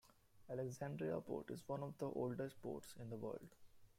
Alexandria Port is one of the oldest ports in the world.